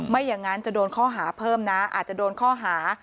ไม่อย่างนั้นจะโดนข้อหาเพิ่มนะอาจจะโดนข้อหา